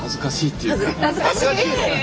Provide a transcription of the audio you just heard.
恥ずかしいの？